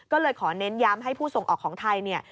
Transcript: ก็เลยขอเน้นย้ำให้ผู้ส่งออกของไทยเนี่ย